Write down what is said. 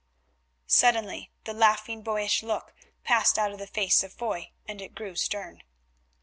Suddenly the laughing boyish look passed out of the face of Foy, and it grew stern.